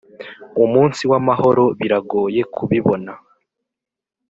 umunsi w'amahoro biragoye kubibona.